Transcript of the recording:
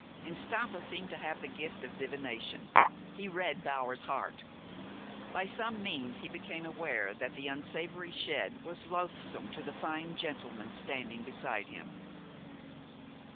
And Stampa seemed to have the gift of divination. He read Bower's heart. By some means he became aware that the unsavory shed was loathsome to the fine gentleman standing beside him.